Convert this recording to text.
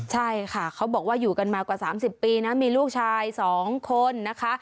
ใช่ค่ะเขาบอกว่าอยู่กันมากว่า๓๐ปีนะมีลูกชาย๒คนนะคะ